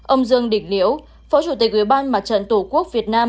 ông dương đỉnh liễu phó chủ tịch ủy ban mặt trận tổ quốc việt nam